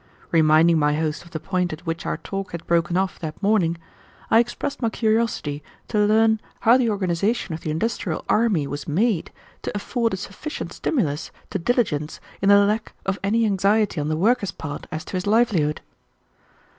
Reminding my host of the point at which our talk had broken off that morning, I expressed my curiosity to learn how the organization of the industrial army was made to afford a sufficient stimulus to diligence in the lack of any anxiety on the worker's part as to his livelihood.